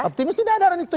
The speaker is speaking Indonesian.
optimis tidak ada arahan itu